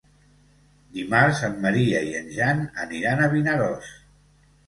Dimarts en Maria i en Jan aniran a Vinaròs.